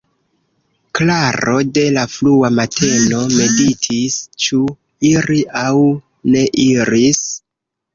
Klaro de la frua mateno meditis: ĉu iri, aŭ ne iri?